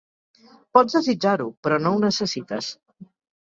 Pots desitjar-ho, però no ho necessites.